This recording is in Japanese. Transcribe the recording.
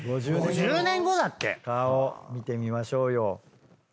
顔見てみましょうよ。